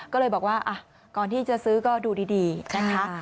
ก็เลยบอกว่าก่อนที่จะซื้อก็ดูดีนะคะ